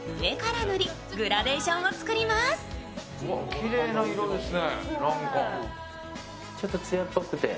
きれいな色ですね。